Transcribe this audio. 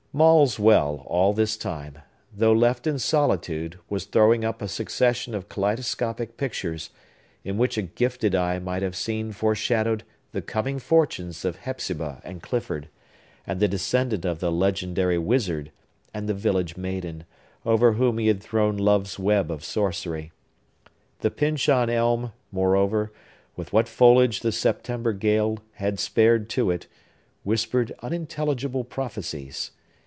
Maule's well, all this time, though left in solitude, was throwing up a succession of kaleidoscopic pictures, in which a gifted eye might have seen foreshadowed the coming fortunes of Hepzibah and Clifford, and the descendant of the legendary wizard, and the village maiden, over whom he had thrown love's web of sorcery. The Pyncheon Elm, moreover, with what foliage the September gale had spared to it, whispered unintelligible prophecies.